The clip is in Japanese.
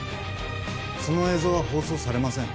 その映像は放送されません。